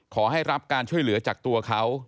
ขอให้รับการช่วยเหลือจากตัวเขา